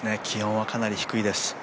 気温はかなり低いです。